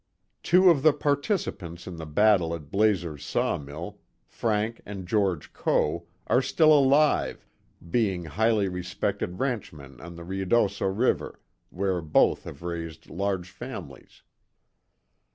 Two of the participants in the battle at Blazer's saw mill, Frank and George Coe, are still alive, being highly respected ranchmen on the Ruidoso river, where both have raised large families.